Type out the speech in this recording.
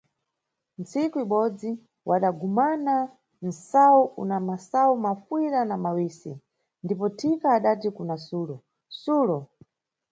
Nsiku ibodzi, wadagumana msayu una masayu mafuyira na mawisi, ndipo ndipo thika adati kuna sulo: Sulo!